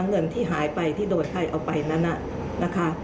เนินที่หายไปที่โดนไข้เอาไปนั่นน่ะนะคะ